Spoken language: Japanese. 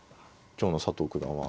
今日の佐藤九段は。